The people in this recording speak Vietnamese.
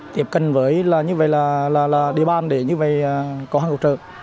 tiếp cận với là như vậy là địa bàn để như vậy có hàng cứu trợ